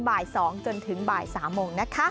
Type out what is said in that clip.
บ่าย๒จนถึงบ่าย๓โมงนะคะ